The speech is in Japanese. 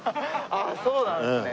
ああそうなんですね。